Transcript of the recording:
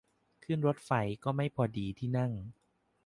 ขึ้นรถไฟก็ไม่พอดีที่นั่ง